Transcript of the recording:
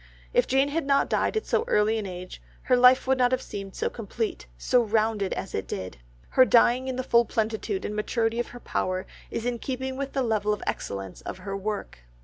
If Jane had not died at so early an age, her life would not have seemed so complete, so rounded as it did. Her dying in the full plenitude and maturity of power is in keeping with the level excellence of her work.